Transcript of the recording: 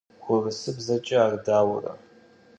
Vurısıbzeç'e ar dauere?